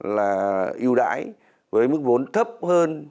là ưu đãi với mức vốn thấp hơn